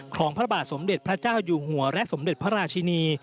พระบาทสมเด็จพระเจ้าอยู่หัวและสมเด็จพระราชินี